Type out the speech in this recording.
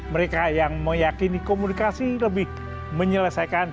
mereka yang meyakini komunikasi lebih menyelesaikan